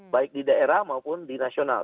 baik di daerah maupun di nasional